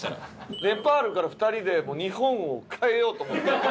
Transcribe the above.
ネパールから２人で日本を変えようと。